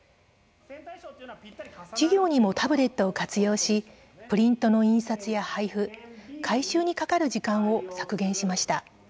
授業にもタブレットを活用しプリントの印刷や配付回収にかかる時間を削減しました。